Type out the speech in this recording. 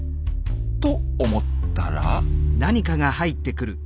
と思ったら。